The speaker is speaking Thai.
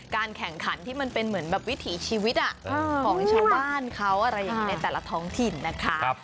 แข่งขันที่มันเป็นเหมือนแบบวิถีชีวิตของชาวบ้านเขาอะไรอย่างนี้ในแต่ละท้องถิ่นนะคะ